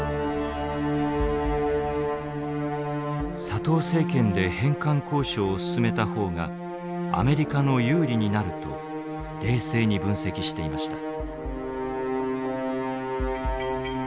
佐藤政権で返還交渉を進めた方がアメリカの有利になると冷静に分析していました。